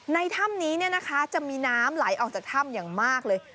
ถ้ำนี้จะมีน้ำไหลออกจากถ้ำอย่างมากเลย